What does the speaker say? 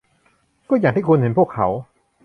ก็อย่างที่คุณเห็นพวกเขา